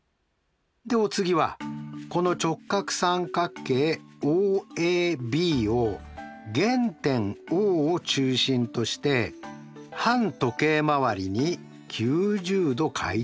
でお次はこの直角三角形ＯＡＢを原点Ｏを中心として反時計回りに９０°回転してみます。